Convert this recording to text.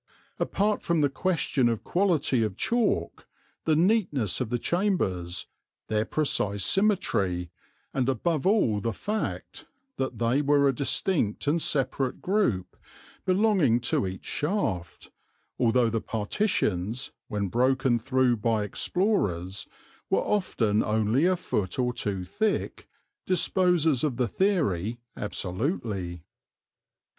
Apart from the question of quality of chalk, the neatness of the chambers, their precise symmetry, and above all the fact that they were a distinct and separate group belonging to each shaft, although the partitions, when broken through by explorers were often only a foot or two thick, disposes of the theory absolutely.